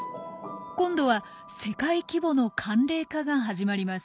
今度は世界規模の寒冷化が始まります。